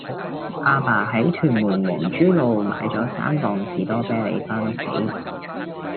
亞爸喺屯門皇珠路買左三磅士多啤梨返屋企